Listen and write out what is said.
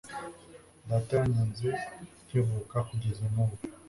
data yanyanze nkivuka kugeza nubu